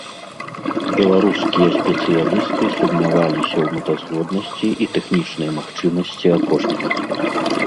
Беларускія спецыялісты сумняваліся ў мэтазгоднасці і тэхнічнай магчымасці апошняга.